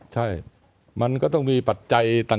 ใช่มันก็ต้องมีปัจจัยต่าง